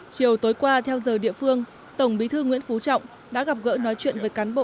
chiều tối qua theo giờ địa phương tổng bí thư nguyễn phú trọng đã gặp gỡ nói chuyện với cán bộ